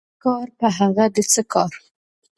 چي نه کار ، په هغه دي څه کار